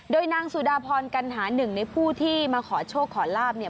โดยนางสุดาพรกัณหาหนึ่งในผู้ที่มาขอโชคขอลาบเนี่ย